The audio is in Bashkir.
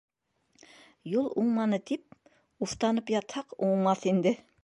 - Юл уңманы тип уфтанып ятһаҡ, уңмаҫ инде.